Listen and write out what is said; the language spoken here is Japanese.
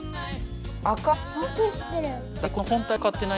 赤！